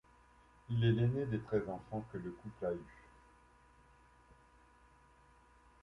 Il est l’aîné des treize enfants que le couple a eu.